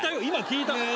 今聞いた。